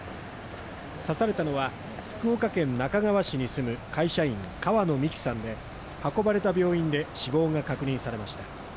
刺されたのは福岡県那珂川市に住む会社員、川野美樹さんで運ばれた病院で死亡が確認されました。